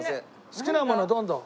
好きなものどんどん。